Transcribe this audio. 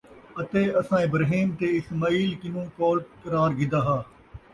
اَتے اَساں اِبراہیم تے اِسماعیل کنوں قول قرار گِھدا ہا،